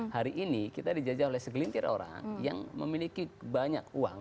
hari ini kita dijajah oleh segelintir orang yang memiliki banyak uang